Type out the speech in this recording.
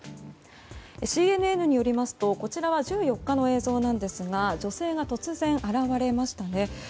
ＣＮＮによりますとこちらは１４日の映像なんですが女性が突然、現れましたね。